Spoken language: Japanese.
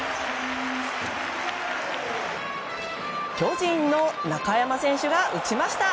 巨人の中山選手が打ちました。